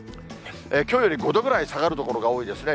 きょうより５度ぐらい下がる所が多いですね。